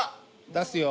出すよ。